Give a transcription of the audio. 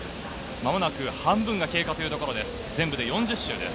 間もなく半分が経過というところです。